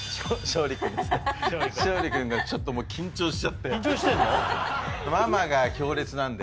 昇利君がちょっともう緊張してんの？